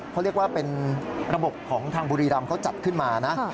เขาเรียกว่าเป็นระบบของทางบุรีรำเขาจัดขึ้นมานะ